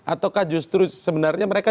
ataukah justru sebenarnya mereka